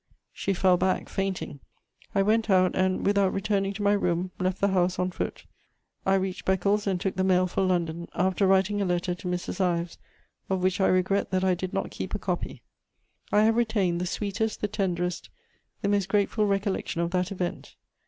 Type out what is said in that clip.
She fell back fainting. I went out and, without returning to my room, left the house on foot I reached Beccles and took the mail for London, after writing a letter to Mrs. Ives of which I regret that I did not keep a copy. I have retained the sweetest, the tenderest, the most grateful recollection of that event.